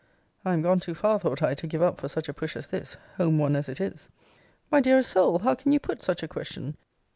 I am gone too far, thought I, to give up for such a push as this, home one as it is. My dearest soul! how can you put such a question?